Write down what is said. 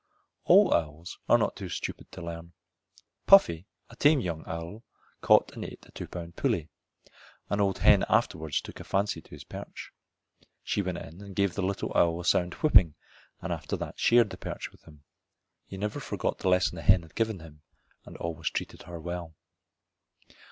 All owls are not too stupid to learn. Puffy, a tame young owl, caught and ate a two pound pullet. An old hen afterwards took a fancy to his perch. She went in and gave the little owl a sound whipping, and after that shared the perch with him. He never forgot the lesson the hen had given him and always treated her well.